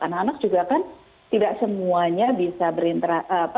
anak anak juga kan tidak semuanya bisa berinteraksi